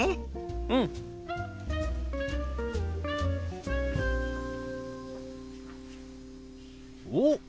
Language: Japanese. うん！おっ！